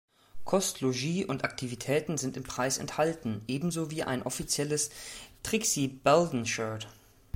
Kost, Logis und Aktivitäten sind im Preis enthalten, ebenso wie ein offizielles Trixie-Belden-Shirt.